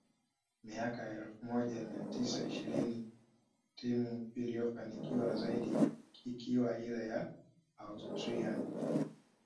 miaka ya elfu moja mia tisa ishirini timu iliyofanikiwa zaidi ikiwa ile ya Austrian